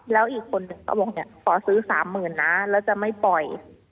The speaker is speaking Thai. แล้วอีกคนนึงก็บอกเนี้ยขอซื้อสามหมื่นนะแล้วจะไม่ปล่อย